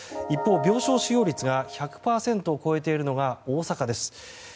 一方、病床使用率が１００％を超えているのが大阪です。